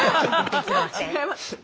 違います？